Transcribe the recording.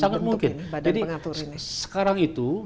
sangat mungkin jadi sekarang itu